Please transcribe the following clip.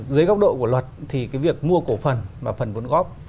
dưới góc độ của luật thì cái việc mua cổ phần và phần vô tư